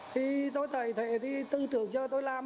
thì tôi thầy thì tư tưởng cho tôi làm